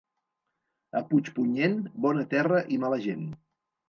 A Puigpunyent, bona terra i mala gent.